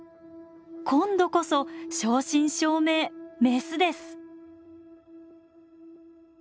今度こそ正真正銘メスです。